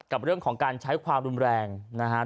กับเรื่องของการใช้ความรุนแรงนะครับ